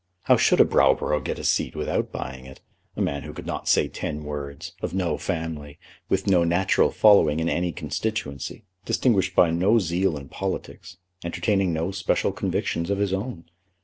How should a Browborough get a seat without buying it, a man who could not say ten words, of no family, with no natural following in any constituency, distinguished by no zeal in politics, entertaining no special convictions of his own?